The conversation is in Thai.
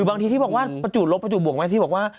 บางทีที่บอกว่าประจูบลบประจบวกไหมที่บอกว่า